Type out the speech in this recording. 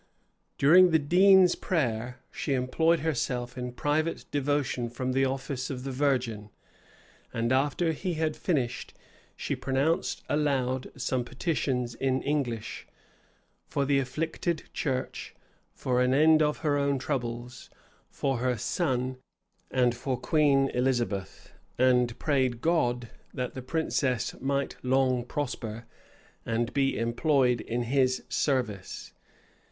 During the dean's prayer, she employed herself in private devotion from the office of the Virgin; and after he had finished, she pronounced aloud some petitions in English, for the afflicted church, for an end of her own troubles, for her son, and for Queen Elizabeth; and prayed God, that that princess might long prosper, and be employed in his service.